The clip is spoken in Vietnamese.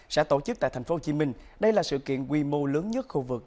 sẽ tổ chức tại tp hcm đây là sự kiện quy mô lớn nhất khu vực